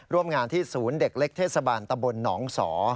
ร่วมงานที่ศูนย์เด็กเล็กเทศบาลตะบลหนองสอ